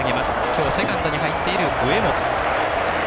きょうセカンドに入っている上本。